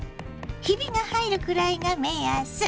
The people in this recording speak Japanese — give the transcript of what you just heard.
ひびが入るくらいが目安。